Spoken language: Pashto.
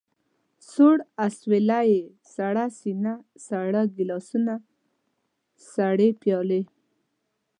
سوړ اسوېلی، سړه سينه، ساړه ګيلاسونه، سړې پيالې.